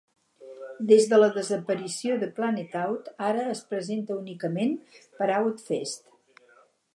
Des de la desaparició de PlanetOut, ara es presenta únicament per Outfest.